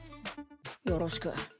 よろしく。